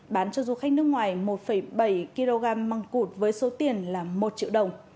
bán cho du khách nước ngoài một bảy kg măng cụt với số tiền là một triệu đồng